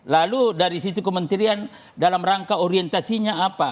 lalu dari situ kementerian dalam rangka orientasinya apa